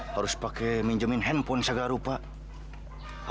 harus pake minjemin handphone segarupa